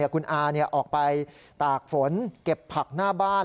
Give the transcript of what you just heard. คุณอาออกไปตากฝนเก็บผักหน้าบ้าน